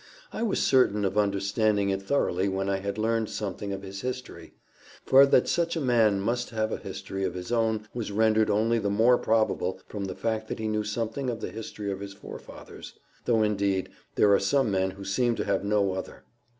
I was certain of understanding it thoroughly when I had learned something of his history; for that such a man must have a history of his own was rendered only the more probable from the fact that he knew something of the history of his forefathers, though, indeed, there are some men who seem to have no other.